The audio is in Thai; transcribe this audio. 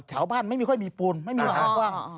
แถวบ้านไม่ค่อยมีปูนไม่มีทางกว้าง